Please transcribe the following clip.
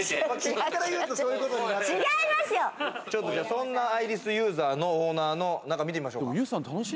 そんなアイリスユーザーのオーナーの中、見てみましょうか。